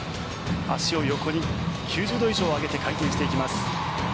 足を横に９０度以上上げて回転していきます。